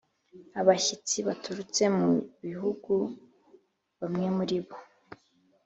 abashyitsi baturutse mu bihugu Bamwe muri bo